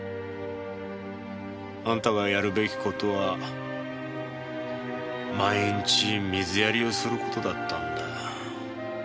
あんたがやるべき事は毎日水やりをする事だったんだ。